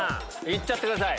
行っちゃってください。